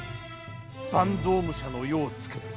坂東武者の世をつくる。